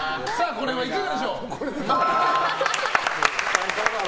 これはいかがでしょう？